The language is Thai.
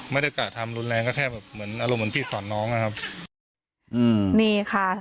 ไม่ได้กะทำรุนแรงก็แค่แบบเหมือนอารมณ์เหมือนพี่สอนน้องนะครับอืมนี่ค่ะ